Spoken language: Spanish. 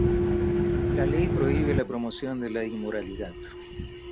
La Ley prohíbe la promoción de la inmoralidad.